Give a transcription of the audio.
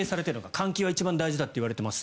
換気は一番大事だといわれています。